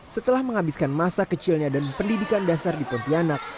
setelah menghabiskan masa kecilnya dan pendidikan dasar di pontianak